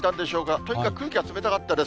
とにかく空気は冷たかったです。